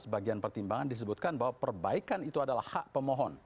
sebagian pertimbangan disebutkan bahwa perbaikan itu adalah hak pemohon